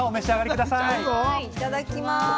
いただきます。